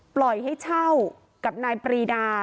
ปล่อยให้เช่ากับนายปรีดา